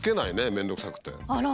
面倒くさくて。